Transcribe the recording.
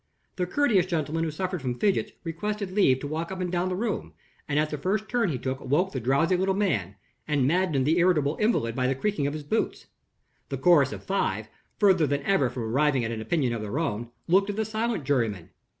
The courteous gentleman who suffered from fidgets requested leave to walk up and down the room; and at the first turn he took woke the drowsy little man, and maddened the irritable invalid by the creaking of his boots. The chorus of five, further than ever from arriving at an opinion of their own, looked at the silent juryman.